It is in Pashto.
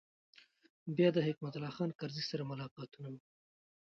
بیا د حکمت الله خان کرزي سره ملاقاتونه و.